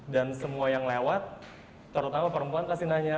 dan semua yang lewat terutama perempuan pasti nanya